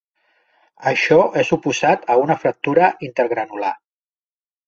Això és oposat a una fractura intergranular.